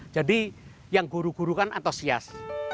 jadi yang guru gurukan antosias